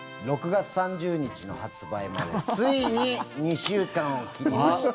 ６月３０日の発売までついに２週間を切りました。